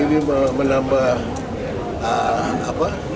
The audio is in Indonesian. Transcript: ini menambah apa